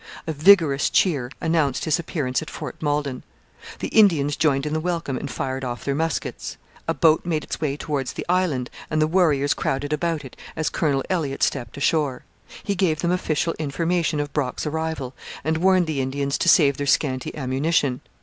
A vigorous cheer announced his appearance at Fort Malden. The Indians joined in the welcome and fired off their muskets. A boat made its way towards the island, and the warriors crowded about it as Colonel Elliott stepped ashore. He gave them official information of Brock's arrival, and warned the Indians to save their scanty ammunition.